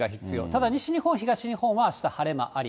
ただ西日本、東日本はあした晴れ間あり。